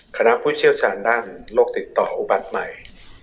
ผู้เชี่ยวชาญด้านโรคติดต่ออุบัติใหม่